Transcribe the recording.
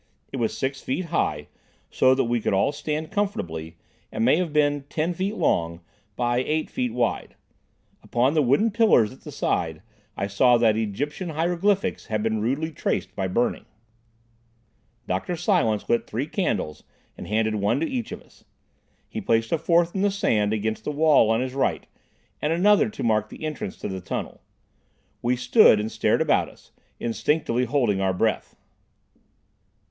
It was six feet high, so that we could all stand comfortably, and may have been ten feet long by eight feet wide. Upon the wooden pillars at the side I saw that Egyptian hieroglyphics had been rudely traced by burning. Dr. Silence lit three candles and handed one to each of us. He placed a fourth in the sand against the wall on his right, and another to mark the entrance to the tunnel. We stood and stared about us, instinctively holding our breath.